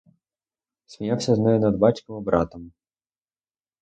Сміявся з нею над батьком і братом.